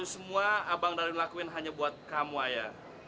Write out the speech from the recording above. itu semua abang daryl lakuin hanya buat kamu aya